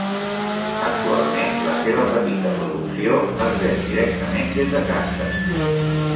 Actualment, la seva petita producció es ven directament des de casa.